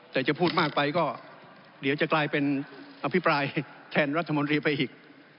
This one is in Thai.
แต่จะพูดมากไปก็เดี๋ยวจะกลายเป็นอภิปรายแทนรัฐมนตรีไปอีก